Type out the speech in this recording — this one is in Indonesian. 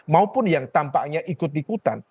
maupun yang tampaknya ikut ikutan